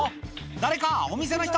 誰か、お店の人！